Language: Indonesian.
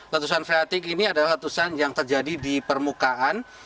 letusan freatik ini adalah letusan yang terjadi di permukaan